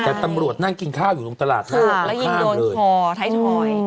แต่ตำรวจนั่งกินข้าวอยู่ตรงตลาดน่ะแล้วอดข้างเลยอือคือแล้วยิงโดนทอไทยชอย